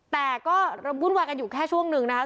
แต่ก็วุ่นวายกันอยู่แค่ช่วงหนึ่งนะคะ